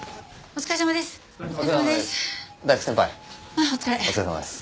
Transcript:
お疲れさまです。